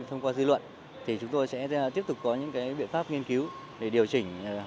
thông qua dư luận thì chúng tôi sẽ tiếp tục có những biện pháp nghiên cứu để điều chỉnh